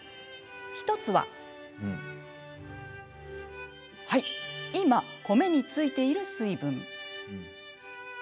１つははい、今、米についている水分。